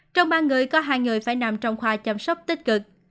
trong ba người có hai người phải nằm trong khoa chăm sóc tích cực